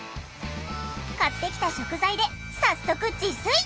買ってきた食材で早速自炊。